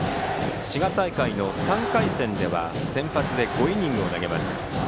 滋賀大会の３回戦では先発で５イニング投げました。